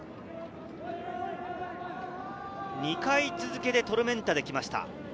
２回続けてトルメンタで来ました。